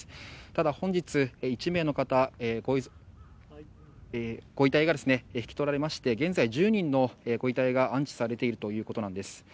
ただ、本日１名の方のご遺体が引き取られまして現在１０人のご遺体が安置されているということです。